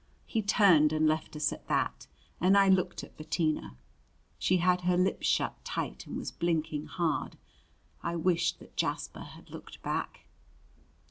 He turned and left us at that, and I looked at Bettina. She had her lips shut tight and was blinking hard. I wished that Jasper had looked back.